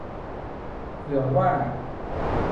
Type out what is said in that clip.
เผื่อว่า